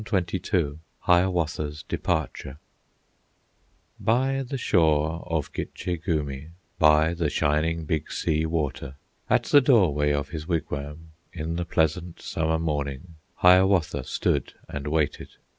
XXII Hiawatha's Departure By the shore of Gitche Gumee, By the shining Big Sea Water, At the doorway of his wigwam, In the pleasant Summer morning, Hiawatha stood and waited.